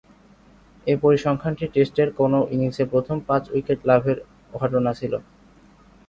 এ পরিসংখ্যানটি টেস্টের কোন ইনিংসে প্রথম পাঁচ-উইকেট লাভের ঘটনা ছিল।